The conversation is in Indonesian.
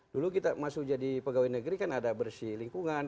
dulu kita masuk jadi pegawai negeri kan ada bersih lingkungan